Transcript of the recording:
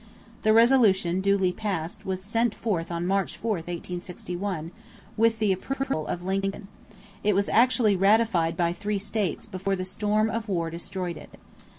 The resolution, duly passed, was sent forth on March 4, 1861, with the approval of Lincoln; it was actually ratified by three states before the storm of war destroyed it.